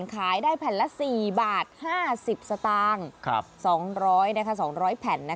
ขายได้แผ่นละ๔บาท๕๐สตางค์๒๐๐๒๐๐แผ่น